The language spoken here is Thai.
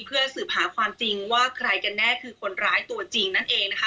เพื่อสืบหาความจริงว่าใครกันแน่คือคนร้ายตัวจริงนั่นเองนะคะ